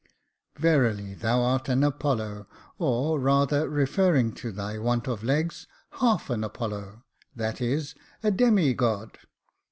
"Verily, thou art an Apollo — or, rather, referring to thy want of legs, half an Apollo — that is, a demi god.